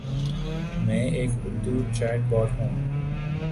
میں ایک Urdu chatbot ہوں۔